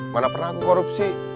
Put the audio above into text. mana pernah aku korupsi